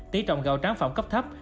tỷ trọng gạo tráng phẩm cấp thấp